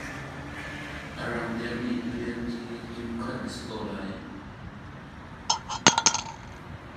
A rang deuh nih rian cu lim khanh a si ko lai.